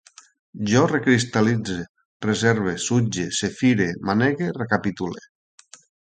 Jo recristal·litze, reserve, sutge, zefire, manege, recapitule